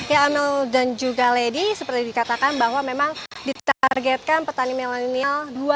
ya amel dan juga lady seperti dikatakan bahwa memang ditargetkan petani milenial